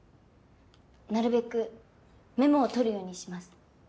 なるべくメモを取るようにします。